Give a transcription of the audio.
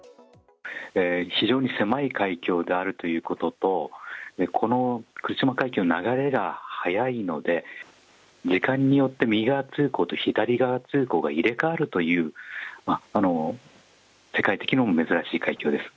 非常に狭い海峡であるということと、この来島海峡、流れが速いので、時間によって右側通行と左側通行が入れ代わるという、世界的にも珍しい海峡です。